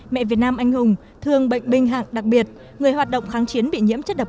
mẹ việt nam anh hùng thương bệnh binh hạng đặc biệt người hoạt động kháng chiến bị nhiễm chất độc